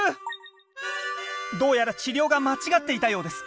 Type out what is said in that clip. どうやら治療が間違っていたようです。